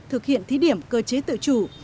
thực hiện thí điểm cơ chế tự chủ